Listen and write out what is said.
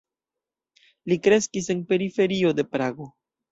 Li kreskis en periferio de Prago.